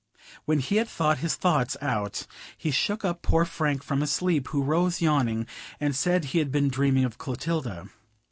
When he had thought his thoughts out he shook up poor Frank from his sleep, who rose yawning, and said he had been dreaming of Clotilda.